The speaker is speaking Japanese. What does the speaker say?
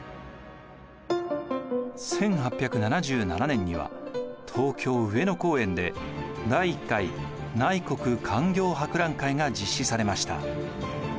１８７７年には東京・上野公園で第１回内国勧業博覧会が実施されました。